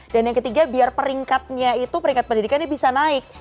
dan yang ketiga biar peringkatnya itu peringkat pendidikan ini bisa naik